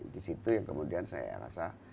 di situ yang kemudian saya rasa